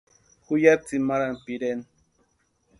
Ju ya tsimarhani pireni.